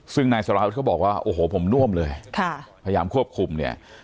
ซึ่งนายสารวุฒิเขาบอกว่าโอ้โหผมน่วมเลยพยายามควบคุมเนี่ย